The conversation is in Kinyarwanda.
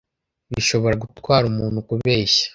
bishobora gutwara umuntu kubeshya